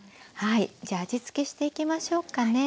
じゃあ味付けしていきましょうかね。